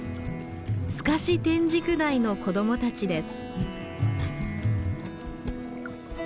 スカシテンジクダイの子供たちです。